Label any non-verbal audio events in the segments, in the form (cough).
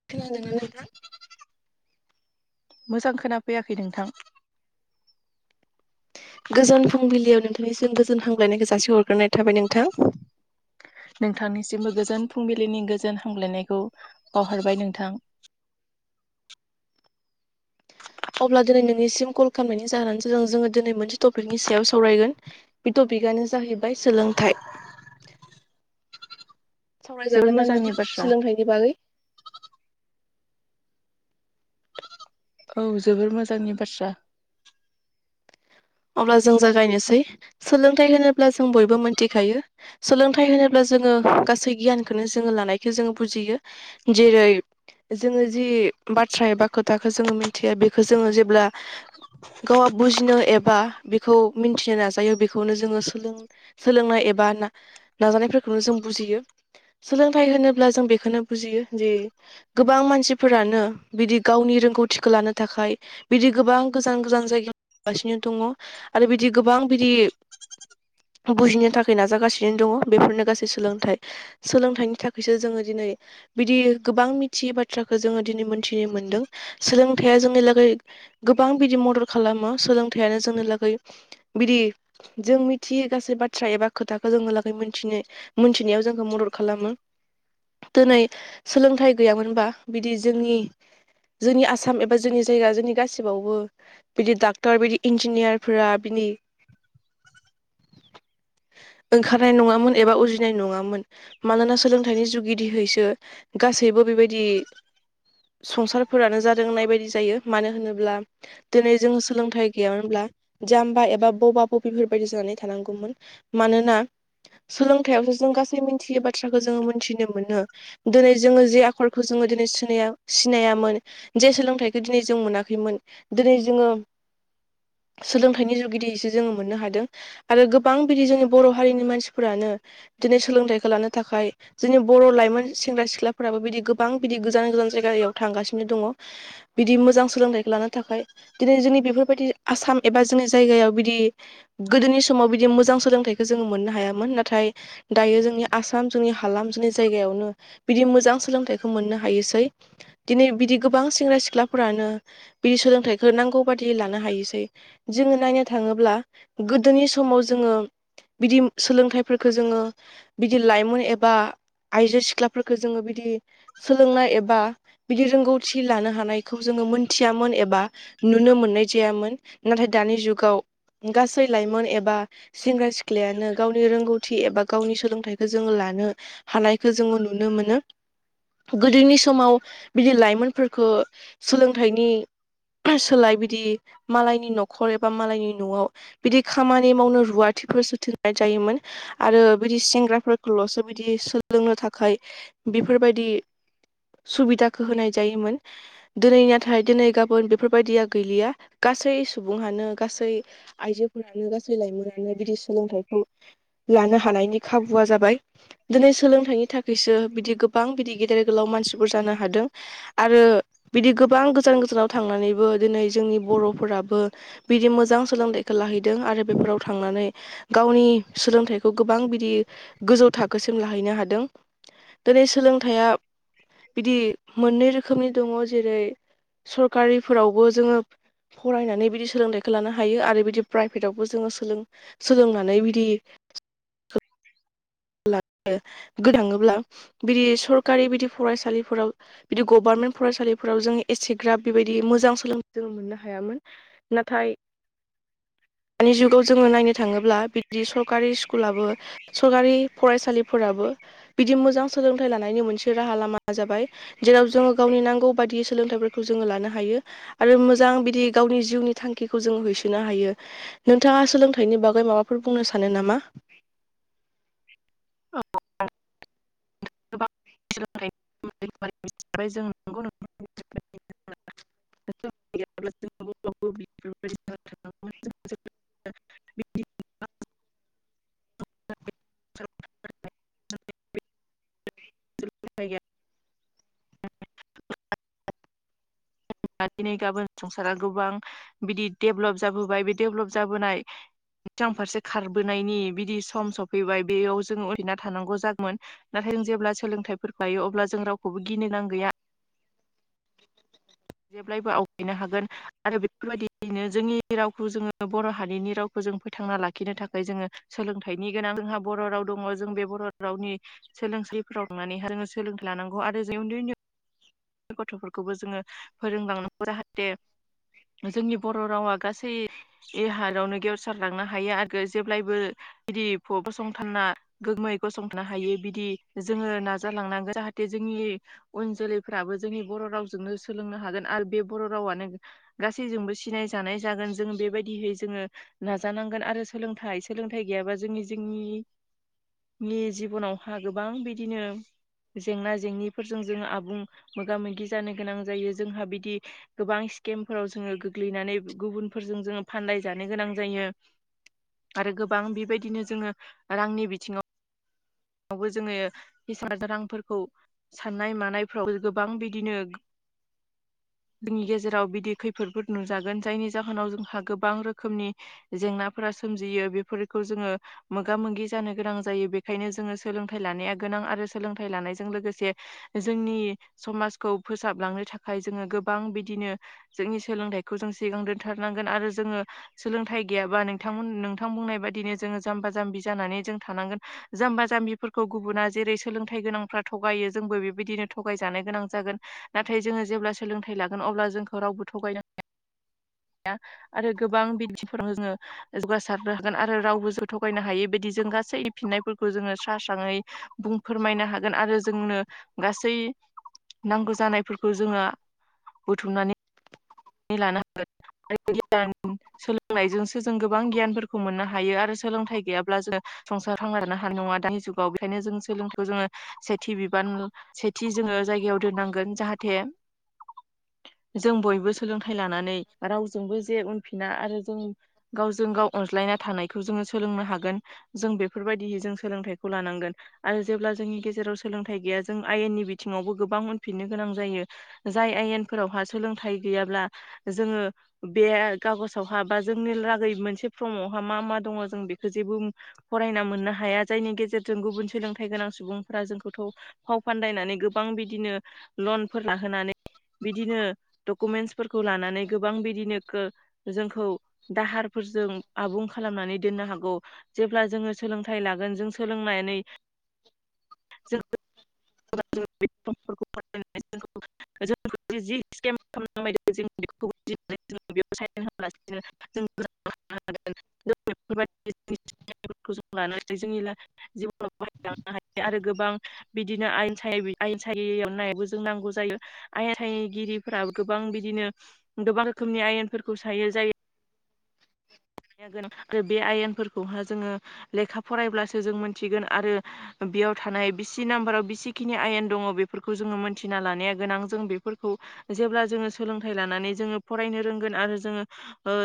खोनादों ना नोंथां मोजां खोनाफैयाखै नोंथां गोजोन फुंबिलियाव नोंथांनिसिम गोजोन हामलायनायखौ जासि हरग्रोनाय थाबाय नोंथां नोंथांनिसिमबो गोजोन फुंबिलिनि गोजोन हामग्लायनायखौ बावहरबाय नोंथां अब्ला दिनै नोंनिसिम कल खालामनायनि जाहोनानो जादों जोङो दिनै मोनसे टपिकनि सायाव सावरायगोन बे टपिकआनो जाहैबाय सोलोंथाइ जोबोर सावरायजागोन ना मोजांनि नोंथां बाथ्रा सोलोंथाइनि बागै औ जोबोर मोजांनि बाथ्रा अब्ला जों जागायनोसै सोलोंथाइ होनोब्ला जों बयबो मिथिखायो सोलोंथाइ होनोब्ला जोङो गासै गियानखौनो जोङो लानायखौ जोङो बुजियो जेरै जोङो जि बाथ्रा एबा खोथाखौ जोङो मिथिया बेखौ जोङो जेब्ला गावआ बुजिनो एबा बेखौ मिथिनो नाजायो बेखौनो जोङो सोलों सोलोंनाय एबा नाजानायफोरखौनो जों बुजियो सोलोंथाइ होनोब्ला जों बेखौनो बुजियो जे गोबां मानसिफोरानो बिदि गावनि रोंगौथिखौ लानो थाखाय बिदि गोबां गोजान गोजान जायगायाव थांगासिनो दङ आरो बिदि गोबां बिदि बुजिनो थाखाय नाजागासिनो दङ बेफोरनो गासै सोलोंथाइ सोलोंथाइनि थाखायसो जोङो दिनै बिदि गोबां मिथियै बाथ्राखौ जोङो दिनै मोनथिनो मोनदों सोलोंथाइया जोंनि लागै गोबां बिदि मदद खालामो सोलोंथाइयानो जोंनि लागै बिदि जों मिथियै गासै बाथ्रा एबा खोथाखौ जोंहालागै मिनथिनो मोनथिनायाव जोंखौ मदद खालामो। दिनै सोलोंथाइ गैयामोनबा बिदि जोंनि जोंनि आसाम एबा जोंनि जायगा जोंनि गासिआवबो बिदि डाक्टर बिदि इन्जिनियारफोरा बिनि ओंखारनाय नङामोन एबा उजिनाय नङामोन। मानोना सोलोंथाइनि जुगिदिहैसो गासैबो बेबायदि संसारफोरानो जादों होननाय बायदि जायो। मानो होनोब्ला दिनै जों सोलोंथाइ गैयामोनब्ला जाम्बा एबा बबा-बबिफोरबायाददि जानानै थानांगौमोन। मानोना सोलोंथायावसो जों गासै मिथियै बाथ्राखौ जोङो मोनथिनो मोनो दिनै जोङो जे आखलखौ जोङो दिनै सिनायामोन जे सोलोंथाइखौ दिनै जों मोनाखैमोन दिनै जोङो सोलोंथाइनि जुगिदिसो जोङो मोननो हादों आरो गोबां बिदि जोंनि बर' हारिनि मानसिफोरानो दिनै सोलोंथाइखौ लानो थाखाय जोंनि बर' लाइमोन सेंग्रा सिख्लाफोराबो बिदि गोबां बिदि गोजान गोजान जायगायाव थांगासिनो दङ बिदि मोजां सोलोंथाइखौ लानो थाखाय दिनै जोंनि बेफोरबायदि आसाम एबा जोंनि जायगायाव बिदि गोदोनि समाव बिदि मोजां सोलोंथाइखौ जोङो मोननो हायामोन नाथाय दायो जोंनि आसाम जोंनि हालाम जोंनि जायगायावनो बिदि मोजां सोलोंथाइखौ मोननो हायोसै। दिनै बिदि गोबां सेंग्रा-सिख्लाफोरानो बिदि सोलोंथाइखौ नांगौ बादि लानो हायो। जोङो नायनो थाङोब्ला गोदोनि समाव जोङो बिदि सोलोंथाइफोरखौ जोङो बिदि लाइमोन एबा आइजो सिख्लाफोरफोरखौ जोङो बिदि सोलोंनाय एबा बिदि रोंगौथि लानो हानायखौ जोङो मोनथियामोन एबा नुनो मोननाय जायामोन। नाथाय दानि जुगाव गासै लाइमोन एबा सेंग्रा-सिख्लायानो गावनि रोंगौथि एबा गावनि सोलोंथाइखौ जोङो लानो हानायखो जोङो नुनो मोनो। गोदोनि समाव बिदि लाइमोनफोरखो सोलोंथाइनि सोलाय बिदि मालायनि न'खर एबा मालायनि न'आव बिदि खामानि मावनो रुवाथिफोर सोथोरनाय जायोमोन। आरो बिदि सेंग्राफोरखौल'सो बिदि सोलोंनो थाखाय बेफोरबायदि सुबिदाखौ होनाय जायोमोन। दिनै नाथाय दिनै गाबोन बेफोरबायदिया गैलिया। गासै सुबुंहानो गासै आइजोफोरानो गासै लाइमोनानो बिदि सोलोंथाइखौ लानो हानायनि खाबुआ जाबाय दिनै सोलोंथाइनि थाखायसो बिदि गोबां बिदि गेदेर-गोलाव मानसिफोर जानो हादों। आरो बिदि गोबां गोजान-गोजानाव थांनानैबो दिनै जोंनि बर'- फोराबो बिदि मोजां सोलोंथाइखौ लाहैदों आरो बेफोराव थांनानै गावनि सोलोंथाइखौ गोबां बिदि गोजौ थाखोसिम लाहैनो हादों। दिनै सोलोंथाइया बिदि मोननै रोखोमनि दङ। जेरै सरकारिफोरावबो जोङो फरायनानै बिदि सोलोंथाइखौ लानो हायो आरो बिदि प्राइभेटावबो जोङो सोलों-सोलोंनानै बिदि ओ (unintelligible) बिदि सरकारि बिदि फरायसालिफोराव बिदि गभार्नमेन्ट फरायसालिफोराव जों एसेग्राब बेबायदि मोजां सोलोंथाइ जों मोननो हायामोन। नाथाय दानि जुगाव जोङो नायनो थाङोब्ला बिदि सरकारि स्कुलाबो सरकारि फरायसालिफोराबो बिदि मोजां सोलोंथाइ लानायनि मोनसे राहा लामाया जाबाय। जेराव जोङो गावनि नांगौ बायदियै सोलोंथाइफोरखौ जोङो लानो हायो। आरो मोजां बिदि गावनि जिउनि थांखिखौ जोङो होसोनो हायो। नोंथाङा सोलोंथाइनि बागै माबाफोर बुंनो सानो नामा? (unintelligible) (unintelligible) (unintelligible) (unintelligible) (unintelligible) (unintelligible) दिनै गाबोन संसारा गोबां बिदि डेभलप जाबोबाय बे डेभेलप जाबोनाय सिगां फारसे खारबोनायनि बिदि सम सफैबाय बेयाव जोङो ओरैना थानांगौ जागौमोन नाथाय जों जेब्ला सोलोंथाइफोरखौ हायो अब्ला जों रावखौबो गिनो गोनां गैया। जेब्लायबो आवगायनो हागोन आरो बेफोरबायदियैनो जोंनि रावखौ जोङो बर' हारिनि रावखौ जों फोथांना लाखिनो थाखाय जोङो सोलोंथाइनि गोनां। जोंहा बर' राव दङ जों बे बर' रावनि सोलोंसालिफोराव थांनानैहाय जोङो सोलोंथाइ लानांगौ। आरो जों उन्दै उन्दै गथ'फोरखौबो जोङो फोरों लांनांगौ जाहाथे जोंनि बर' रावा गासै ए हारावनो गेवसारलांनो हायो आरो जेब्लायबो बिदि फसंथाना गोगोमै गसंथानो हायो बिदि जोङो नाजालांनांगोन जाहाथे जोंनि उन जोलैफ्राबो जोंनि बर' रावजोंनो सोलोंनो हागोन आरो बे बर' रावानो गासैजोंबो सिनाय जानाय जागोन जोङो बेबायदिहै जोङो नाजानांगोन आरो सोलोंथाइ सोलोंथाइ गैयाबा जोंनि जोंनि नि जिबनावहा गोबां बिदिनो जेंना जेंनिफोरजों जोङो आबुं मोगा मोगि जानो गोनां जायो जोंहा बिदि गोबां स्केमफोराव जोङो गोग्लैनानै गुबुनफोरजों जोङो फाननाय जानो गोनां जायो। आरो गोबां बिबायदिनो जोङो रांनि बिथिङाव बो जोङो बिस हाजार रांफोरखौ साननाय मानायफ्राव गोबां बिदिनो जोंनि गेजेराव बिदि खैफोदफोर नुजागोन जायनि जाहोनाव जोंहा गोबां रोखोमनि जेंनाफोरा सोमजियो बेफोरखौ जोङो मोगा मोगि जानो गोनां जायो बेखायनो जोङो सोलोंथाइ लानाया गोनां आरो सोलोंथाइ लानायजों लोगोसे जोंनि समाजखौ फोसाबलांनो थाखाय जोङो गोबां बिदिनो जोंनि सोलोंथाइखौ जों सिगां दोनथारनांगोन आरो जोङो सोलोंथाइ गैयाबा नोंथांमोन नोंथां बुंनाय बायदिनो जोङो जाम्बा जाम्बि जानानै जों थानांगोन जाम्बा जाम्बिफोरखौ गुबुना जेरै सोलोंथाइ गोनांफ्रा थ'गायो जोंबो बेबायदिनो थ'गायजानो गोनां जागोन। नाथाय जोङो जेब्ला सोलोंथाइ लागोन अब्ला जोंखौ रावबो थ'गायनो हाया। (inaudible) या आरो गोबां बिदिफोराव जोङो जौगासारनो हागोन आरो रावबो जों थगायनो हायै बायदि जों गासै फिननायफोरखौ जोङो स्रा स्राङै बुं फोरमायनो हागोन आरो जोंनो गासै नांगौ जानायफोरखौ जोङो बुथुमनानै नै लानो हागोन (unintelligible) सोलोंनायजोंसो जों गोबां गियानफोरखौ मोननो हायो आरो सोलोंथाइ गैयाब्ला जों संसार थांना हानाय नङा दानि जुग बेखायनो जों सोलोंथायखौ जोङो सेथि बिबान सेथि जोङो जायगायाव दोननांगोन जाहाथे जों बयबो सोलोंथाइ लानानै रावजोंबो जे उनफिना आरो जों गावजों गाव अनज्लायना थानायखौ जोङो सोलोंनो हागोन जों बेफोरबायदि जों सोलोंथाइखौ लानांगोन। आरो जेब्ला जोंनि गेजेराव सोलोंथाइ गैया जों आयेननि बिथिङावबो गोबां उनफिननो गोनां जायो जाय आयेनफोरावहा सोलोंथाइ गैयाब्ला जोङो बे कागजआवहा बा जोंनि लागै मोनसे फ्रमावहा मा मा दङ जों बेखौ जेबो फरायना मोननो हाया जायनि गेजेरजों गुबुन सोलोंथाइ गोनां सुबुं फोरा जोंखौथ' फाव फान्दायनानै गोबां बिदिनो लनफोर लाहोनानै बिदिनो डकुमेन्टसफोरखौ लानानै गोबां बिदिनो गो जोंखौ दाहारफोरजों आबुं खालामनानै दोननो हागौ जेब्ला जोङो सोलोंथाइ लागोन जों सोलोंनानै (unintelligible) (unintelligible) (unintelligible) (unintelligible) (unintelligible) आरो गोबां बि (unintelligible) नांगौ जायो। आयेनगिरिफोरा गोबां बिदिनो गोबां रोखोमनि आयेनफोरखौ सायो जायो। आरो बे आयेनफोरखौहा जोङो लेखा फरायब्लासो जों मोनथिगोन आरो बेयाव थानाय बिसि नाम्बाराव बिसिखिनि आयेन दङ बेफोरखौ जोङो मोनथिना लानाया गोनां जों बेफोरखौ जेब्ला जोङो सोलोंथाइ लानानै जोङो फरायनो रोंगोन आरो जोङो ओ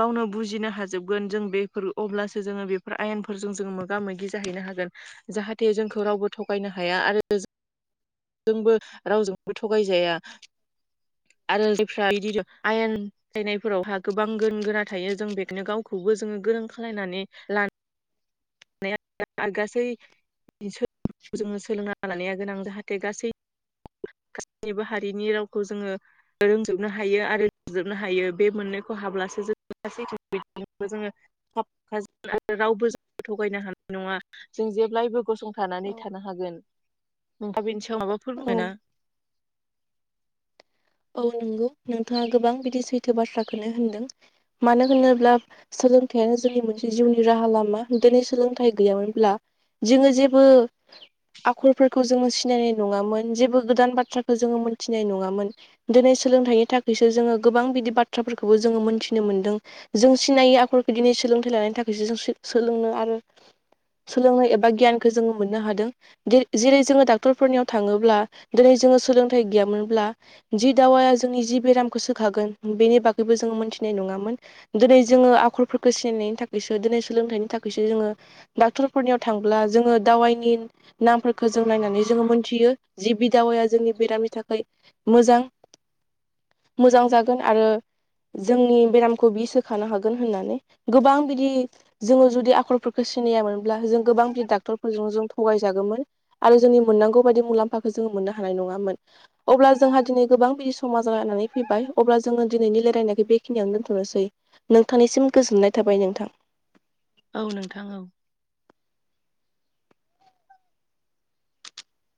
गावनो बुजिनो हाजोबगोन जों बेफोर अब्लासो जोङो बेफोर आयेनफोरजों जों मोगा मोगि जाहैनो हागोन जाहाथे जोंखौ रावबो थगायनो हाया आरो जोंबो रावजोंबो थगायजाया आरो जायफ्रा इदिनो आयेन बुजायनायफोरावहा गोबां गोन गोरा थायो जों बेखोनो गावखौबो जोङो गोरों खालायनानै लानो (unintelligible) गासै सो जोङो सोलोंना लानाया गोनां जाहाथे गासै गासैनिबो हारिनि रावखौ जोङो रोंजोबनो हायो आरो जोबनो हायो बे मोननैखौ हाब्लासो जों गासै (unintelligible) जोङो (unintelligible) रावबो (unintelligible) थगायनो हान नङा जों जेब्लायबो गसंथानानै थानो हागोन नोंथा बेनि सायाव माबा औ (unintelligible) औ नंगौ नोंथाङा गोबां बिदि सैथो बाथ्राखौनो होनदों मानो होनोब्ला सोलोंथाइयानो जोंनि मोनसे जिउनि राहा लामा दिनै सोलोंथाइ गैयामोनब्ला जोङो जेबो आखलफोरखौ जोङो सिनायनाय नङामोन जेबो गोदान बाथ्राखौ जोङो मोनथिनाय नङामोन। दोनै सोलोंथाइनि थाखायसो जोङो गोबां बिदि बाथ्राफोरखौबो जोङो मोनथिनो मोनदों। जों सिनायै आखरखो दिनै सोलोंथाइ लानायनि थाखायसो जों सो-सोलोंनो आरो सोलोंनो एबा गियानखो जोङो मोननो हादों। दि जेरै जोङो डाक्टरफोरनियाव थाङोब्ला दोनै जोङो सोलोंथाइ गैयामोनब्ला जि दावाया जोंनि जि बेरामखो सोखागोन बेनि बागैबो जोङो मोनथिनाय नङामोन। दोनै जोङो आखरफोरखो सिनायनायनि थाखायसो दोनै सोलोंथाइनि थाखायसो जोङो डाक्टरफोरनियाव थांब्ला जोङो दावाइनि नामफोरखो जों नायनानै जोङो मोनथियो जि बि दावाया जोंनि बेरामनि थाखाय मोजां मोजां जागोन आरो जोंनि बेरामखौ बि सोखानो हागोन होननानै गोबां बिदि जोङो जुदि आखलफोरखौ सिनायामोनब्ला जों गोबां बिदि डाक्टरफोरजों जों थगायजागोमोन। आरो जोंनि मोननांगौ बायदि मुलाम्फाखौ जोङो मोननो हानाय नङामोन अब्ला जोंहा दिनै गोबां बिदि समा जालायनानै फैबाय अब्ला जोङो दिनैनि लायरायनायखो बेखिनियावनो दोन्थ'नोसै। नोंथांनिसिम गोजोननाय थाबाय नोंथां। औ नोंथां औ।